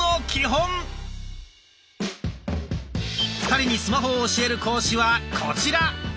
２人にスマホを教える講師はコチラ。